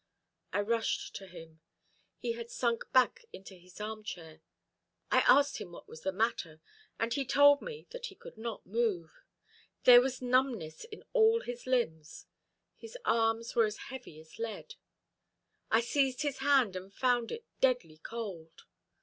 I rushed to him. He had sunk back into his armchair. I asked him what was the matter, and he told me that he could not move. There was numbness in all his limbs. His arms were as heavy as lead. I seized his hand and found it deadly cold.